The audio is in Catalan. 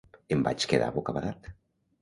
"Em vaig quedar bocabadat".